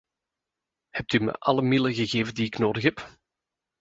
Hebt u me alle middelen gegeven die ik nodig heb?